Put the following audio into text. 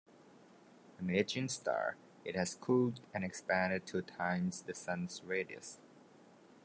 An ageing star, it has cooled and expanded to times the Sun's radius.